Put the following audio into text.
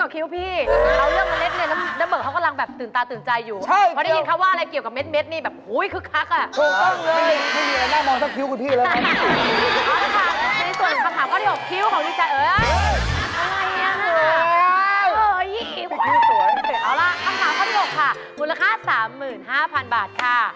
คน๔หรือความเหมือนบัตรค่ะ